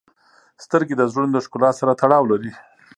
• سترګې د زړونو د ښکلا سره تړاو لري.